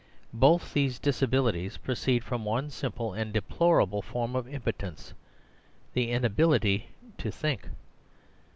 Both these disabilities proceed from one simple and deplorable form of impotence, the inability to think.